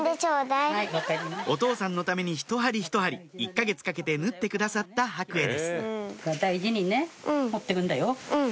お父さんのためにひと針ひと針１か月かけて縫ってくださった白衣ですうん。